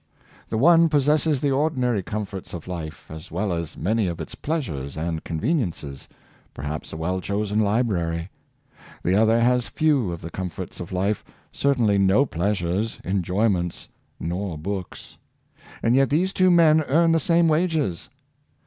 The one possesses the ordinary comforts of life, as well as many of its pleasures and conveniences — per haps a well chosen library; the other has few of the comforts of life, certainly no pleasures, enjoyments, nor books. And yet these two men earn the same wages.